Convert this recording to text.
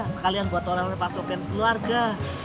sekalian buat orang yang pasokin sekeluarga